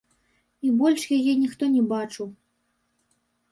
І больш яе ніхто не бачыў.